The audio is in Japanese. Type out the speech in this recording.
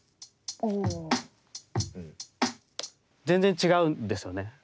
全然違うんですよね。